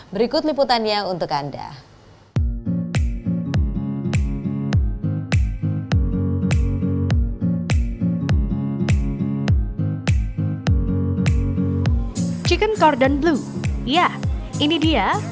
berikut liputannya untuk anda